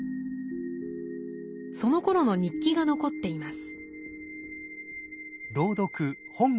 そのころの日記が残っています。